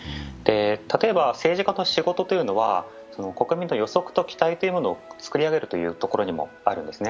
例えば政治家の仕事というのは国民の予測と期待を作り上げるというところにもあるんですね。